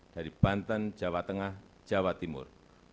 dari banten jawa tengah jawa timur